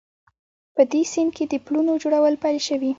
په دې سیند کې د پلونو جوړول پیل شوي